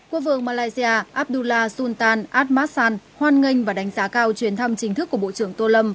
quốc vương malaysia abdullah sultan at massan hoan nghênh và đánh giá cao chuyến thăm chính thức của bộ trưởng tô lâm